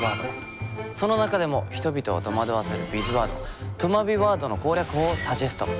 その中でも人々を戸惑わせるビズワードとまビワードの攻略法をサジェスト。